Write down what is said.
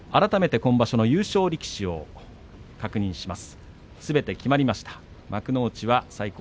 今場所の優勝力士を確認します。